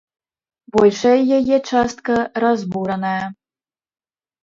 Большая яе частка разбураная.